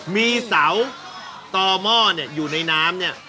มีเสาต่อหม้ออยู่ในน้ำเนี่ย